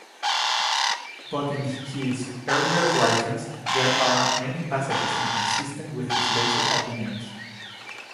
But in his earlier writings there are many passages inconsistent with his later opinions.